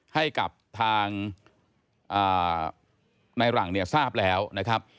ให้กับทางในหลังเนี่ยทราบแล้วนะครับ